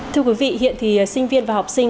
thưa quý vị hiện thì sinh viên và học sinh